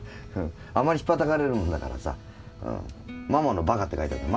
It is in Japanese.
あまりひっぱたかれるもんだからさ「ママのバカ」って書いたんだ。